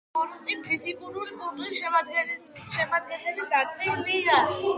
სპორტი — ფიზიკური კულტურის შემადგენელი ნაწილია.